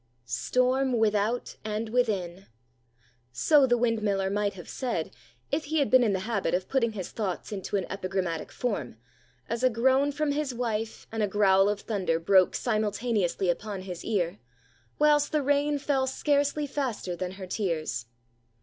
STORM without and within! So the windmiller might have said, if he had been in the habit of putting his thoughts into an epigrammatic form, as a groan from his wife and a growl of thunder broke simultaneously upon his ear, whilst the rain fell scarcely faster than her tears.